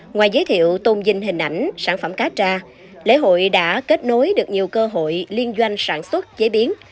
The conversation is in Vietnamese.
ngoài giới thiệu tôn vinh hình ảnh sản phẩm cá trà lễ hội đã kết nối được nhiều cơ hội liên doanh sản xuất chế biến